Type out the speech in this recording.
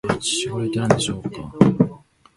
これは一体何でしょうか？